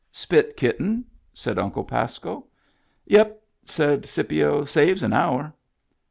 " Spit Kitten ?" said Uncle Pasco. " Yep," said Scipio. " Saves an hour."